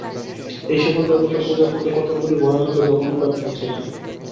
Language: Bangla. এই সকল দেবতার পূজার মধ্যে কতকগুলি ভয়ানক ও জঘন্য ব্যাপারও ছিল।